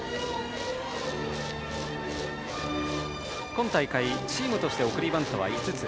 今大会、チームとして送りバントは５つ。